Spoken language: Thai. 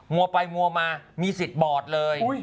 วัวไปมัวมามีสิทธิ์บอดเลย